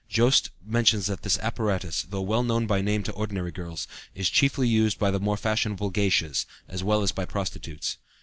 Joest mentions that this apparatus, though well known by name to ordinary girls, is chiefly used by the more fashionable geishas, as well as by prostitutes.